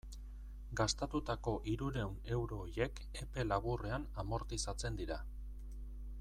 Gastatutako hirurehun euro horiek epe laburrean amortizatzen dira.